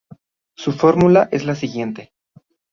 Su fórmula es la siguiente.